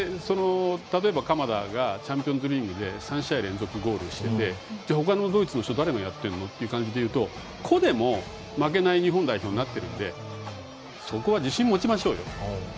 鎌田がチャンピオンズリーグで３試合連続ゴールをしてて他のドイツの人誰がやっているのという感じでいうと、個でも負けない日本代表になっているのでそこは自信を持ちましょう。